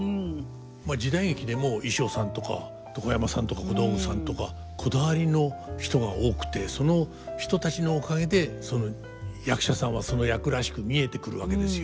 時代劇でも衣装さんとか床山さんとか小道具さんとかこだわりの人が多くてその人たちのおかげで役者さんはその役らしく見えてくるわけですよ。